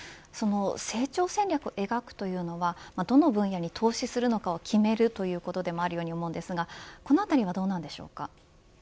成長戦略を描くというのはどの分野に投資するのかを決めるということでもあるように思いますがこのあたりはどうなんでしょうか。